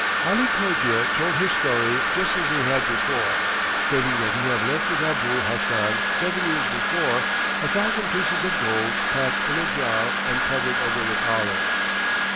Ali Cogia told his story just as he had before, stating that he had left with Abul Hassan seven years before a thousand pieces of gold packed in a jar and covered over with olives.